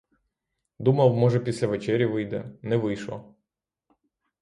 Думав, може, після вечері вийде — не вийшла!